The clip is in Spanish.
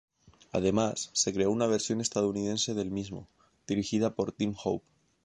Además, se creó una versión estadounidense del mismo, dirigida por Tim Hope.